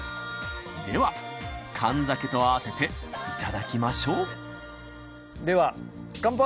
では燗酒と合わせていただきましょうでは乾杯。